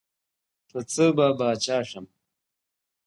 پۀ څۀ به باچا شم ـ